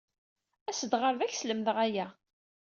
As-d ɣer da, ad ak-slemdeɣ aya.